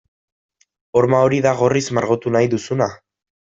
Horma hori da gorriz margotu nahi duzuna?